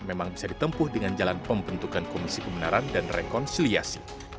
memang bisa ditempuh dengan jalan pembentukan komisi kebenaran dan rekonsiliasi